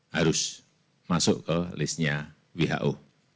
harus masuk ke listnya who